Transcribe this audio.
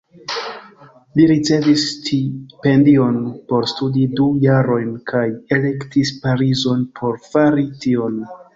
Li ricevis stipendion por studi du jarojn kaj elektis Parizon por fari tion.